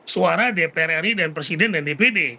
suara dpr ri dan presiden dan dpd